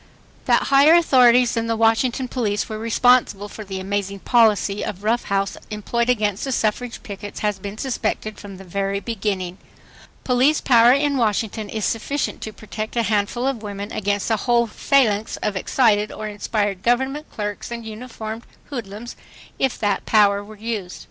That higher authorities than the Washington police were responsible for the amazing policy of rough house employed against the suffrage pickets has been suspected from the very beginning. Police power in Washington is sufficient to protect a handful of women against a whole phalanx of excited or inspired government clerks and uniformed hoodlums, if that power were used. .